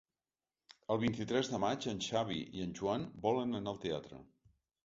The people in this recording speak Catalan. El vint-i-tres de maig en Xavi i en Joan volen anar al teatre.